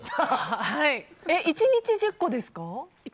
１日１０個ですか？